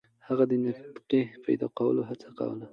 هغه د نفقې پیدا کولو هڅه کوله.